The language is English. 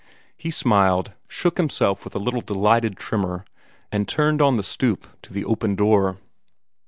He smiled, shook himself with a little delighted tremor, and turned on the stoop to the open door.